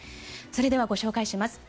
それではご紹介します。